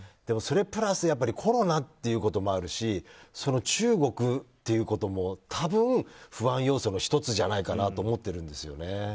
それプラスコロナということもあるし中国ということも多分、不安要素の１つじゃないかなと思ってるんですよね。